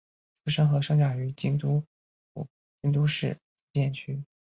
出身和生长于京都府京都市伏见区。